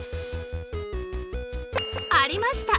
ありました！